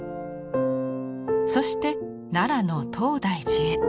そして奈良の東大寺へ。